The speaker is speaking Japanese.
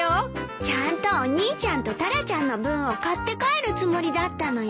ちゃんとお兄ちゃんとタラちゃんの分を買って帰るつもりだったのよ。